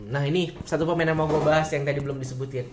nah ini satu pemain yang mau gue bahas yang tadi belum disebutin